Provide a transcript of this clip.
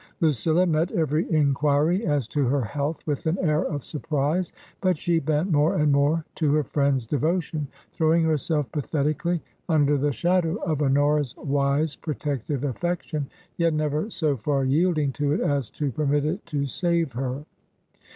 Lucilla met every enquiry as to her health with an air of surprise ; but she bent more and more to her friend's devotion, throwing her self pathetically under the shadow of Honora's wise protective affection, yet never so far yielding to it as to permit it to save her.